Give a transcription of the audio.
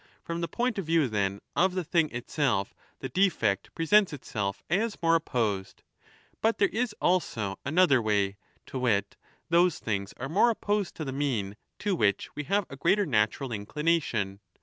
From the point of view, then, of the thing itself the defect pre 25 sents itself as more opposed. But there is also another way, to wit, those things are more opposed to the mean to which we have a greater natural inclination.